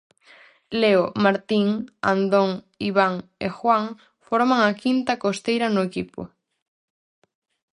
Leo, Martín, andón, Iván e Juan, forman a quinta costeira no equipo.